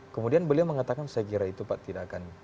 kemudian beliau mengatakan saya kira itu pak tidak akan